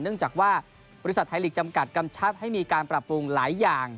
เนื่องจากว่าบริษัทไทยลีกจำกัดกำชับให้มีการปรับปรุงหลายอย่าง